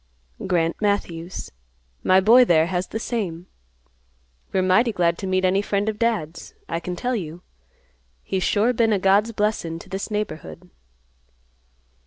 "Grant Matthews. My boy there has the same. We're mighty glad to meet any friend of Dad's, I can tell you. He's sure been a God's blessin' to this neighborhood."